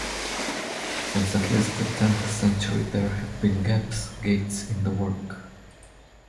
Since at least the tenth century there have been gaps, "gates", in the work.